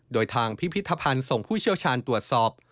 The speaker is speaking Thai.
โดยทางพิพิธภัณฑ์ส่งผู้เชี่ยวชาญตรวจสอบ